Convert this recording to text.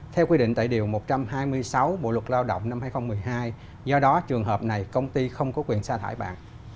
theo quy định tại điều một trăm hai mươi sáu bộ luật lao động năm hai nghìn một mươi hai do đó trường hợp này công ty không có quyền xa thải bạn